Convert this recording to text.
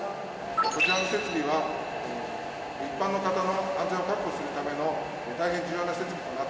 こちらの設備は一般の方の安全を確保するための大変重要な設備となって。